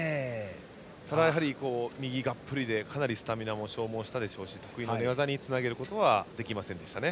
ただ、やはり右がっぷりでかなりスタミナも消耗したでしょうし得意の寝技につなげることはできませんでしたね。